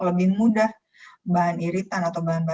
lebih mudah bahan iritan atau bahan bahan